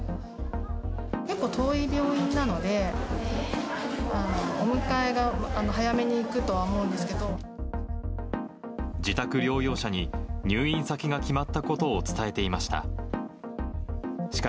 結構遠い病院なので、お迎え自宅療養者に、入院先が決まったことを伝えていました。